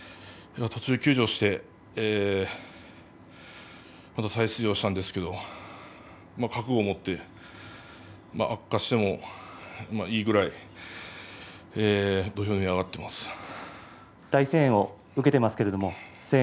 途中休場してまた再出場したんですけども覚悟を持って悪化してもいいぐらい大声援を受けています。